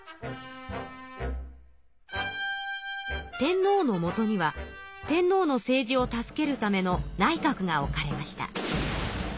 天皇のもとには天皇の政治を助けるための内閣が置かれました。